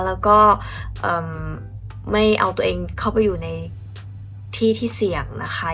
แล้วก็ไม่เอาตัวเองเข้าไปอยู่ในที่ที่เสี่ยงนะคะ